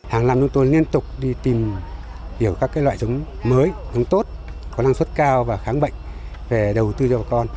hàng làm chúng tôi liên tục đi tìm hiểu các loại sống mới sống tốt có năng suất cao và kháng bệnh về đầu tư cho bà con